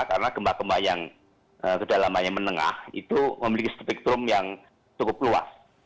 karena gempa gempa yang kedalamannya menengah itu memiliki spektrum yang cukup luas